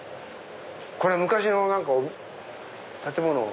これ昔の建物を？